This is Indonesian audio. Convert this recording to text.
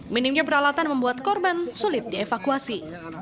minimnya peralatan membuat korban sulit dievakuasi